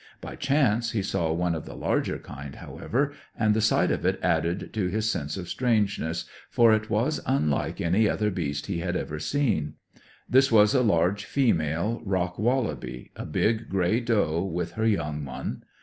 By chance he saw one of the larger kind, however, and the sight of it added to his sense of strangeness, for it was unlike any other beast he had ever seen. This was a large female rock wallaby, a big grey doe, with her young one.